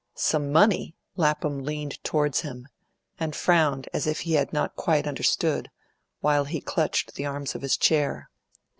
"Some money!" Lapham leaned towards him, and frowned as if he had not quite understood, while he clutched the arms of his chair.